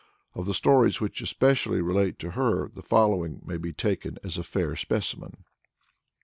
Of the stories which especially relate to her the following may be taken as a fair specimen.